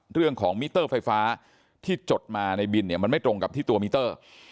มิเตอร์ไฟฟ้าที่จดมาในบินเนี่ยมันไม่ตรงกับที่ตัวมิเตอร์